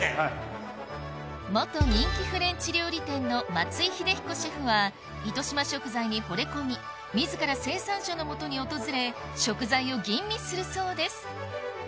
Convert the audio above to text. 元人気フレンチ料理店の松井英彦シェフは糸島食材にほれ込み自ら生産者の元に訪れ食材を吟味するそうです